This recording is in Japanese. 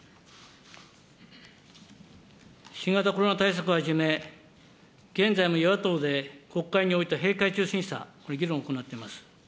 新型コロナ対策はじめ、現在も与野党で国会において閉会中審査、これ、議論を行っています。